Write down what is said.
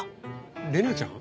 玲奈ちゃん？